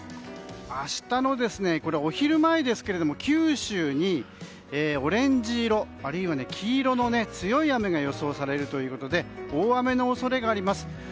明日のお昼前ですが九州にオレンジ色あるいは黄色の強い雨が予想されるということで大雨の恐れがあります。